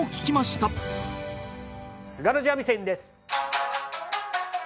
津軽三味線です。